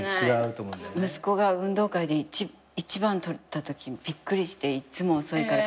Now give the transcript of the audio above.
息子が運動会で１番とったときびっくりしていつも遅いから。